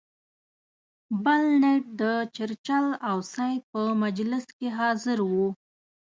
بلنټ د چرچل او سید په مجلس کې حاضر وو.